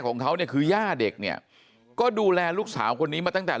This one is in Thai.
ของเขาเนี่ยคือย่าเด็กเนี่ยก็ดูแลลูกสาวคนนี้มาตั้งแต่